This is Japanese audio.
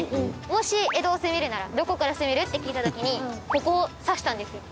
もし江戸を攻めるならどこから攻める？って聞いた時にここを指したんですよ。